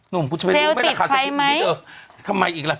นุ่มกูจะไปรู้ไม่แล้วค่ะใส่คลิปนี้เดี๋ยวทำไมอีกล่ะ